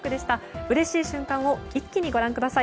うれしい瞬間を一気にご覧ください。